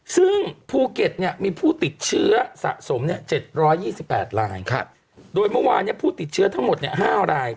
ซึ่งภูเก็ตมีผู้ติดเชื้อสะสม๗๒๘รายโดยเมื่อวานผู้ติดเชื้อทั้งหมด๕ราย